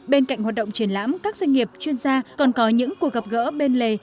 bên cạnh hoạt động triển lãm các doanh nghiệp chuyên gia còn có những cuộc gặp gỡ bên lề